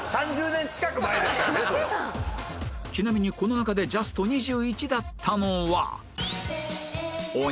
ちなみにこの中でジャスト２１だったのは